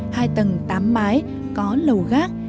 hai tầng tám mái có lầu gác